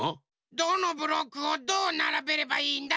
どのブロックをどうならべればいいんだ？